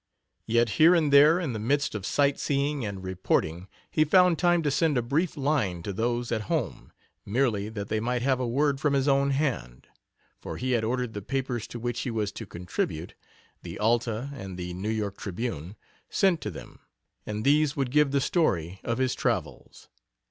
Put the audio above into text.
Yet here and there in the midst of sight seeing and reporting he found time to send a brief line to those at home, merely that they might have a word from his own hand, for he had ordered the papers to which he was to contribute the Alta and the New York Tribune sent to them, and these would give the story of his travels.